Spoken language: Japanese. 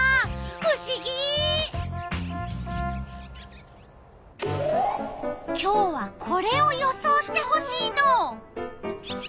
ふしぎ！今日はこれを予想してほしいの。